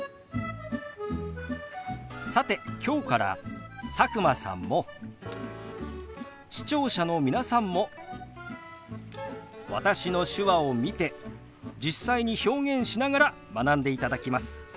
さて今日から佐久間さんも視聴者の皆さんも私の手話を見て実際に表現しながら学んでいただきます。